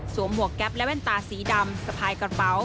หมวกแก๊ปและแว่นตาสีดำสะพายกระเป๋า